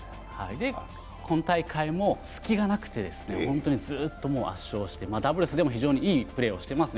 今大会も隙がなくてずーっともう圧勝して、ダブルスでもいいプレーをしてますね。